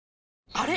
あれ？